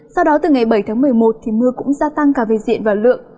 sau đó từ ngày bảy tháng một mươi một thì mưa cũng gia tăng cả về diện và lượng